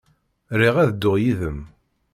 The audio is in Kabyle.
Riɣ ad dduɣ yid-m.